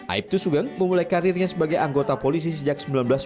aibtu sugeng memulai karirnya sebagai anggota polisi sejak seribu sembilan ratus sembilan puluh